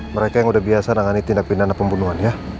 mereka yang udah biasa nangani tindak pindahan dan pembunuhan ya